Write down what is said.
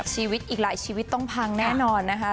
ชีวิตอีกหลายชีวิตต้องพังแน่นอนนะคะ